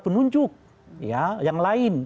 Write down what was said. penunjuk yang lain